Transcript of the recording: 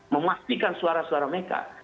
memastikan suara suara mereka